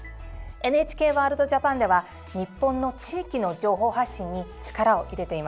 「ＮＨＫワールドＪＡＰＡＮ」では日本の地域の情報発信に力を入れています。